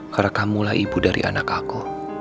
karena kamu lah ibu dari anak aku